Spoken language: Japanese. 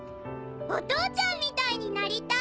お父ちゃんみたいになりたい！